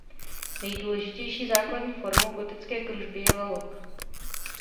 Nejdůležitější základní formou gotické kružby je "lalok".